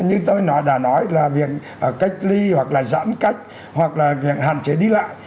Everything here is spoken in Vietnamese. như tôi nói đã nói là việc cách ly hoặc là giãn cách hoặc là việc hạn chế đi lại